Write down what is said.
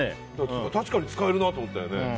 確かに使えるなと思ったよね。